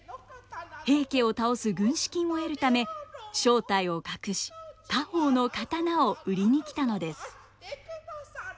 平家を倒す軍資金を得るため正体を隠し家宝の刀を売りに来たのです。